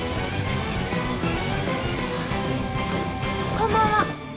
こんばんは！